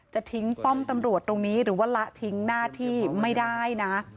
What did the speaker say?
จะทิ้งป้อมตำรวจตรงนี้หรือว่าละทิ้งหน้าที่ไม่ได้นะ